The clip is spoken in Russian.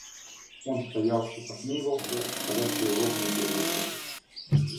Он стоял и посмеивался, скаля свои ровные белые зубы.